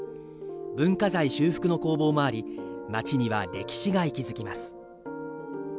文化財修復の工房もあり街には歴史が息づきます。